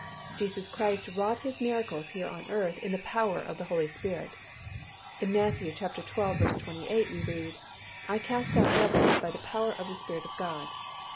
Jesus Christ wrought His miracles here on earth in the power of the Holy Spirit. In Matt. xii. 28, we read, "I cast out devils by the power of the Spirit of God."